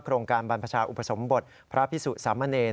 โครงการบรรพชาอุปสมบทพระพิสุสามเณร